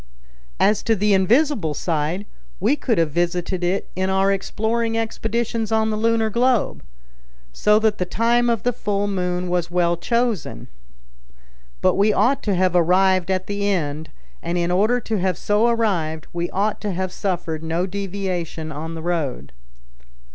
As to the invisible side, we could have visited it in our exploring expeditions on the lunar globe. So that the time of the full moon was well chosen. But we ought to have arrived at the end; and in order to have so arrived, we ought to have suffered no deviation on the road."